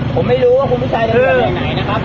ผมไม่รู้ว่าคุณผู้ชายเดือดตั้งแต่ไหนนะครับ